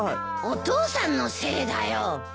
お父さんのせいだよ！